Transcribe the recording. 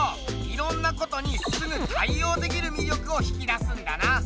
いろんなことにすぐ対応できるみりょくを引き出すんだな。